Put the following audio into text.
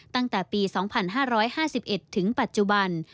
ตั้งแต่ปี๒๕๕๑ถึงปัจจุบัน